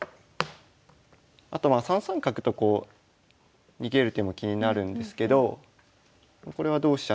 あとまあ３三角とこう逃げる手も気になるんですけどこれは同飛車